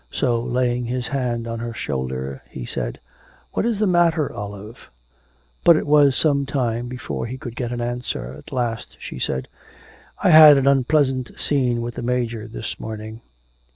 So laying his hand on her shoulder, he said: 'What is the matter, Olive?' But it was some time before he could get an answer. At last she said: 'I had an unpleasant scene with the Major this morning.'